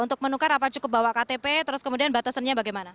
untuk menukar apa cukup bawa ktp terus kemudian batasannya bagaimana